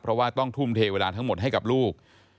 เพราะว่าต้องทุ่มเทเวลาทั้งหมดให้กับลูก